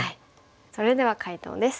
それでは解答です。